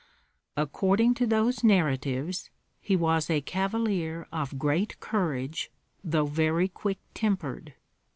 According to those narratives, he was a cavalier "of great courage, though very quick tempered."